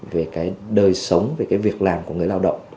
về đời sống về việc làm của người lao động